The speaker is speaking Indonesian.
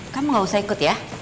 kamu gak usah ikut ya